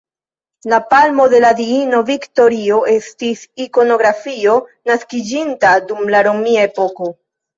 La palmo de la diino Viktorio estis ikonografio naskiĝinta dum la romia epoko.